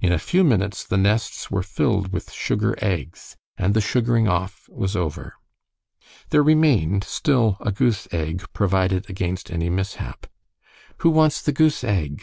In a few minutes the nests were filled with sugar eggs, and the sugaring off was over. There remained still a goose egg provided against any mishap. "Who wants the goose egg?"